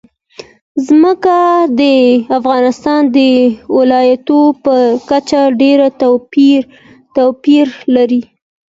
ځمکه د افغانستان د ولایاتو په کچه ډېر توپیر لري.